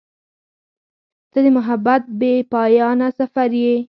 • ته د محبت بېپایانه سفر یې.